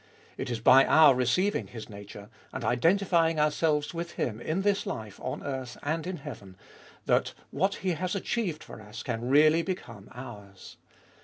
It is by our receiving His nature, and identifying ourselves with Him in this life on earth and in heaven, that what He has achieved for us can really become ours.